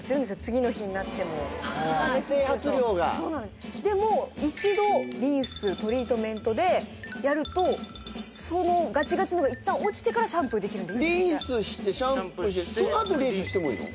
次の日になってもああ整髪料がそうなんですでも一度リンストリートメントでやるとそのガチガチのがいったん落ちてからシャンプーできるんでリンスしてシャンプーしてそのあとリンスしてもいいの？